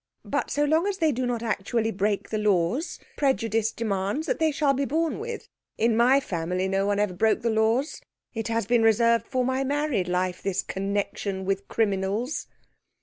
But, so long as they do not actually break the laws, prejudice demands that they shall be borne with. In my family, no one ever broke the laws. It has been reserved for my married life, this connection with criminals."